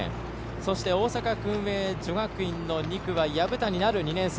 そして、大阪薫英女学院の２区は薮谷奈璃、２年生。